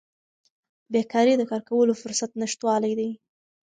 بیکاري د کار کولو فرصت نشتوالی دی.